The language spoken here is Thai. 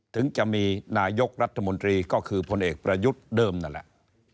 ถึงจะมีนายกรัฐมนตรีก็คือพลเอกประยุทธ์เดิมนั่นแหละ